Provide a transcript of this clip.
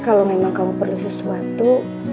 kalau memang kamu perlu sesuatu